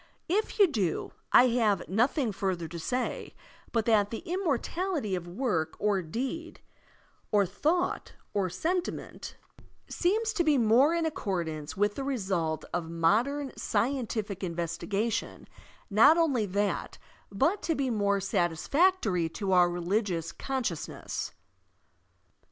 If you do, I have nothing further to say, but that the immortality of work or deed or thought or sentiment seems to be more in accordance with the result of modem scientific investigaticwi — not only that, but to be more satisfactory to otir religious consciousness.